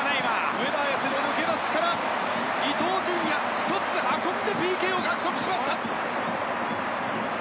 上田綺世の抜け出しから伊東純也、１つ運んでＰＫを獲得しました。